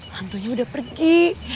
hantunya udah pergi